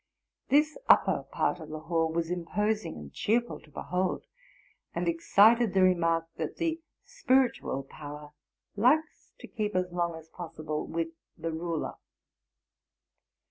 This upper part of the hall was imposing and cheerful to behold, and excited the remark that the spiritual power likes to keep as long as possible with the ruler.